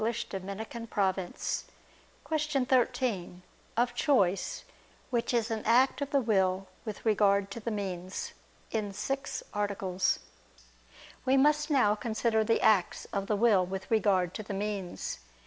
________________________ QUESTION 13 OF CHOICE, WHICH IS AN ACT OF THE WILL WITH REGARD TO THE MEANS (In Six Articles) We must now consider the acts of the will with regard to the means.